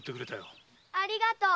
ありがとう。